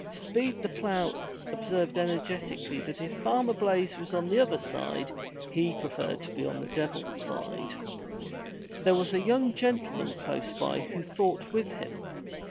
Speed the Plough observed ener 233 MY BOOK HOUSE getically that if Farmer Blaize was on the other side, he preferred to be on the devil's side. There was a young gentleman close by who thought with him.